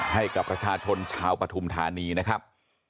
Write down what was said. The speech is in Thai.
ให้กับประชาชนชาวปฐุมธานีนะครับ